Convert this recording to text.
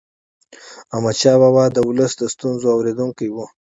احمدشاه بابا د ولس د ستونزو اورېدونکی و.